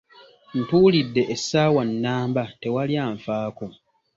Ntuulidde essaawa nnamba, tewali anfaako.